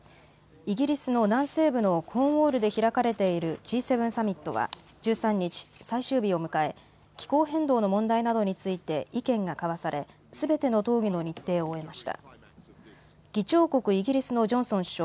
イギリスの南西部のコーンウォールで開かれているＧ７サミットは１３日、最終日を迎え気候変動の問題などについて意見がかわされすべての討議の日程を終えました。